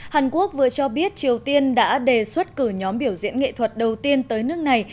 hàn quốc vừa cho biết triều tiên đã đề xuất cử nhóm biểu diễn nghệ thuật đầu tiên tới nước này